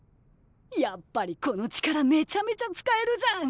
やっぱりこの力めちゃめちゃ使えるじゃん！